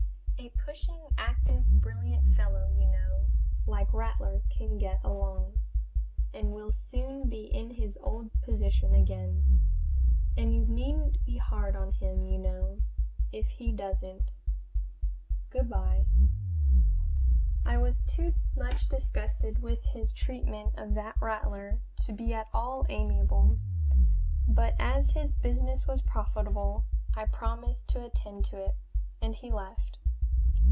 A pushing, active, brilliant fellow, you know, like Rattler can get along, and will soon be in his old position again and you needn't be hard on him, you know, if he doesn't. Good by." I was too much disgusted with his treatment of that Rattler to be at all amiable, but as his business was profitable, I promised to attend to it, and he left.